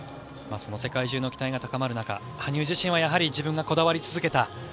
その世界中の期待が高まる中羽生自身はやはり自分がこだわり続けた